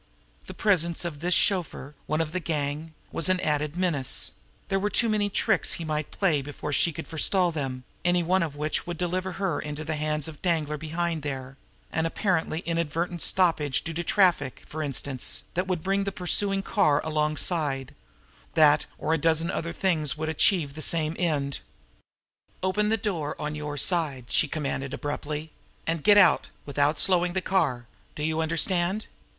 The presence of this chauffeur, one of the gang, was an added menace; there were too many tricks he might play before she could forestall them, any one of which would deliver her into the hands of Danglar behind there an apparently inadvertent stoppage due to traffic, for instance, that would bring the pursuing car alongside that, or a dozen other things which would achieve the same end. "Open the door on your side!" she commanded abruptly. "And get out without slowing the car! Do you understand?"